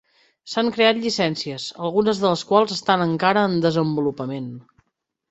S'han creat llicències, algunes de les quals estan encara en desenvolupament.